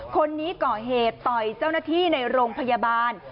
คนนี้ก่อเหตุต่อยเจ้าหน้าที่ในโรงพยาบาล